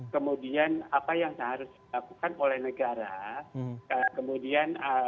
kemudian apa yang harus dilakukan oleh negara kemudian